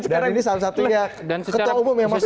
dan ini salah satunya ketua umum yang masuk